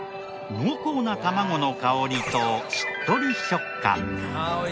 濃厚な卵の香りとしっとり食感。